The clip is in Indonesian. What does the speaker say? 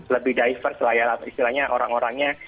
lebih diverse lah ya istilahnya orang orangnya